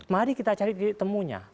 mari kita cari titik temunya